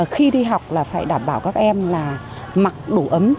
khi đi học là phải đảm bảo các em là mặc đủ ấm